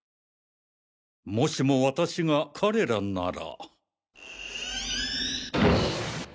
もしも私が彼らなら。